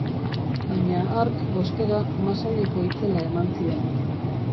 Baina hark, ostera, masaileko itzela eman zion.